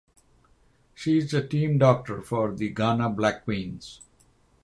She is the team doctor of the Ghana Black Queens.